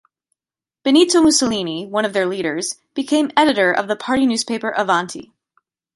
Benito Mussolini, one of their leaders, became editor of the party newspaper Avanti!